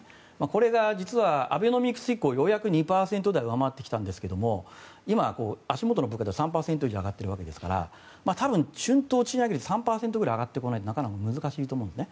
これが実はアベノミクス以降ようやく２％台を上回ってきたんですが今、足元の物価では３％以上上がっているわけですから多分、春闘の賃上げ率が３％以上上がってこないとなかなか難しいと思うんです。